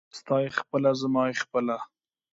ستا يې خپله ، زما يې خپله.